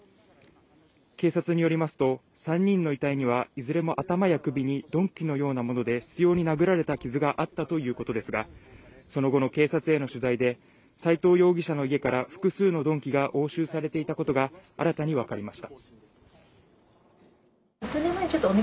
警察によりますと３人の遺体にはいずれも頭や首に鈍器のようなもので執拗に殴られた傷があったということですがその後の警察への取材で斎藤容疑者の家から複数の鈍器が押収されていたことが新たに分かりました